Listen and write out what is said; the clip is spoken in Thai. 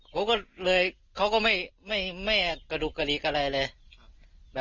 ผมก็เลยเขาก็ไม่กระดูกกระดิกอะไรเลย